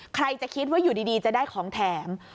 ใครจะคิดว่าอยู่ดีจะได้ของแถม